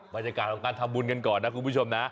บรรยากาศของการทำบุญกันก่อนนะคุณผู้ชมนะ